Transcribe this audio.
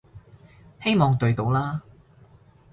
希望對到啦